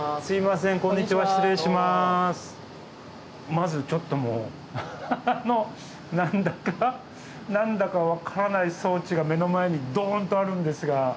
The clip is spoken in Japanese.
まずちょっともう何だか何だか分からない装置が目の前にドーンとあるんですが。